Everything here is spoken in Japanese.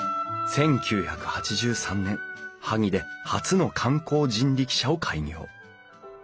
１９８３年萩で初の観光人力車を開業。